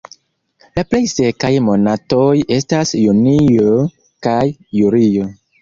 La plej sekaj monatoj estas junio kaj julio.